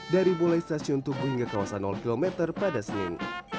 dari mulai stasiun tubuh hingga kawasan km pada senin